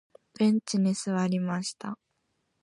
ベンチに座りました。